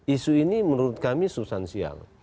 isu ini menurut kami substansial